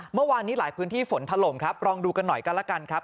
เมื่อวานนี้หลายพื้นที่ฝนถล่มครับลองดูกันหน่อยกันแล้วกันครับ